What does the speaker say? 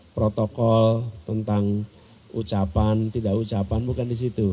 protokol tentang ucapan tidak ucapan bukan di situ